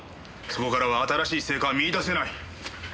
そこからは新しい成果は見出せない。